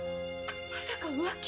まさか浮気！